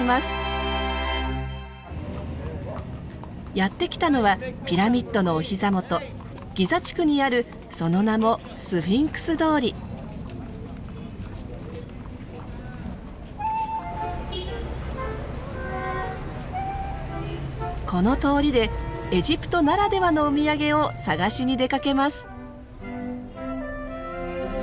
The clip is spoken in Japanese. やって来たのはピラミッドのお膝元ギザ地区にあるその名もこの通りでエジプトならではのお土産を探しに出かけます。